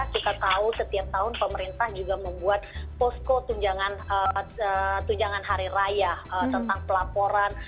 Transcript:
kita tahu setiap tahun pemerintah juga membuat posko tunjangan hari raya tentang pelaporan